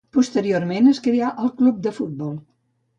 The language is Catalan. Posteriorment es creà el club de futbol.